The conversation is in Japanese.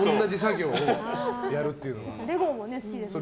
レゴも好きですよね。